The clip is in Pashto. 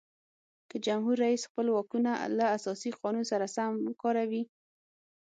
که جمهور رئیس خپل واکونه له اساسي قانون سره سم وکاروي.